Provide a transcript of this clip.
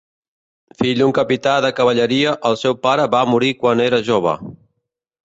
Fill d'un capità de cavalleria, el seu pare va morir quan era jove.